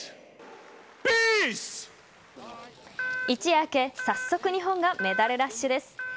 一夜明け早速日本がメダルラッシュです。